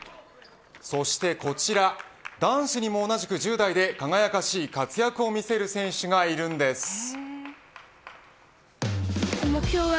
そしてこちら男子にも同じく１０代で輝かしい活躍を見せる選手がいるんです。